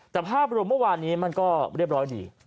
แต่ภาพรวมเมื่อวานนี้มันก็เรียบร้อยดี